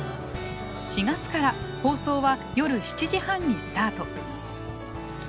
４月から放送は夜７時半にスタート。